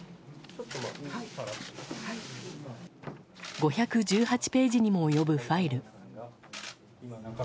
５１８ページにも及ぶファイル。